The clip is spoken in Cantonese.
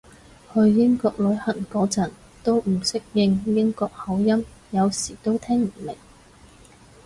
去英國旅行嗰陣都唔適應英國口音，有時都聽唔明